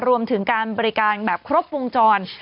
รวมถึงการบริการแบบครบวงจร